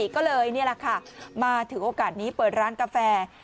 ก็เลยนี่แหละค่ะมาถึงโอกาสนี้เปิดร้านกาแฟ